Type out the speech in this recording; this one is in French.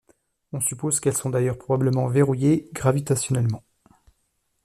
On suppose qu'elles sont d'ailleurs probablement verrouillées gravitationnellement.